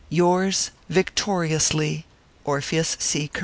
Yours, victoriously, ORPHEUS C.